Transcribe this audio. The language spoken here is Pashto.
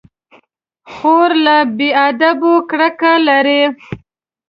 خور له بې ادبيو کرکه لري.